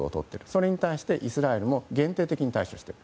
それに対してイスラエルも限定的に対処している。